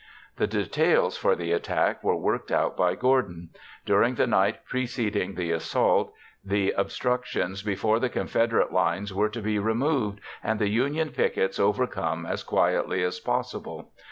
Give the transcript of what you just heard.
The details for the attack were worked out by Gordon. During the night preceding the assault, the obstructions before the Confederate lines were to be removed and the Union pickets overcome as quietly as possible.